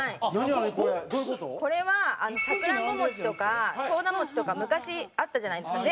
これはさくらんぼ餅とかソーダ餅とか昔あったじゃないですか。